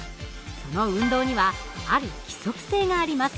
その運動にはある規則性があります。